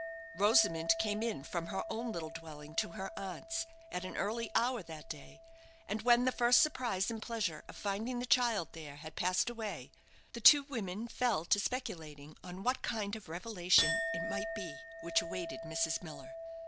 Rosamond came in from her own little dwelling to her aunt's, at an early hour that day, and when the first surprise and pleasure of finding the child there had passed away, the two women fell to speculating on what kind of revelation it might be which awaited Mrs. Miller.